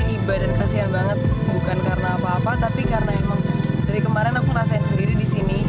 iba dan kasihan banget bukan karena apa apa tapi karena emang dari kemarin aku ngerasain sendiri di sini